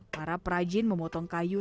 para prajin memotong kayu